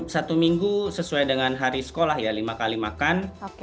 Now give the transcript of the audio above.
satu minggu sesuai dengan hari sekolah ya lima kali makan